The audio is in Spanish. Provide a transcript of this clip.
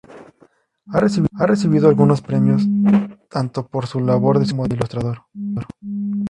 Ha recibido algunos premios tanto por su labor de escritor como de ilustrador.